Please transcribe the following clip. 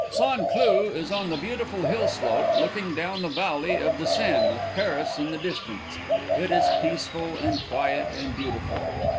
St. Cloud is on the beautiful hill slope, looking down the valley of the Seine, with Paris in the distance. It is peaceful and quiet and beautiful.